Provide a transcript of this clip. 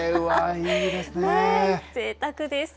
ぜいたくです。